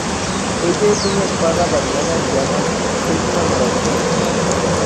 Ella es una espada bañada en llamas, es una maravilla.